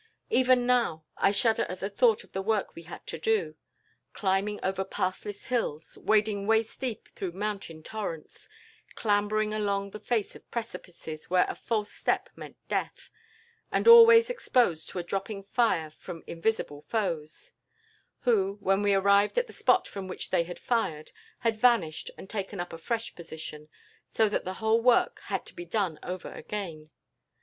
"Even now, I shudder at the thought of the work we had to do; climbing over pathless hills, wading waist deep through mountain torrents, clambering along on the face of precipices where a false step meant death, and always exposed to a dropping fire from invisible foes, who, when we arrived at the spot from which they had fired, had vanished and taken up a fresh position, so that the whole work had to be done over again.